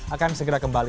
akan segera kembali